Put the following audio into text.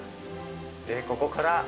ここから。